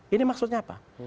ini maksudnya apa